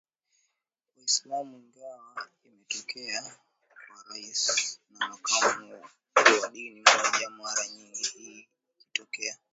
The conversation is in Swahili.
Waislamu ingawa imetokea kwa Rais na Makamu kuwa dini moja mara nyingi hii ikitokea